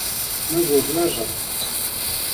نه ژوبلېږم.